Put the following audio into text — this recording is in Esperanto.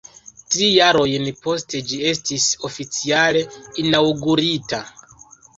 Tri jarojn poste ĝi estis oficiale inaŭgurita.